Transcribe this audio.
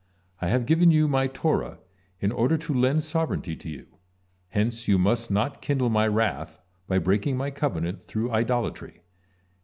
I have given you my Torah in order to lend sovereignty to you, hence you must not kindle My wrath by breaking My covenant through idolatry.